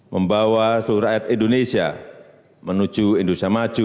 membawa seluruh rakyat indonesia menuju indonesia maju